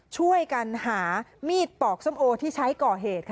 ช่วยกันหามีดปอกส้มโอที่ใช้ก่อเหตุ